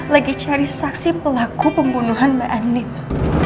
lagi cari saksi pelaku pembunuhan mbak andi ma